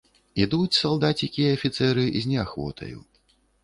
Ідуць салдацікі і афіцэры з неахвотаю.